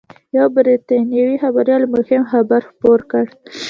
یوه بریټانوي خبریال یو مهم خبر خپور کړ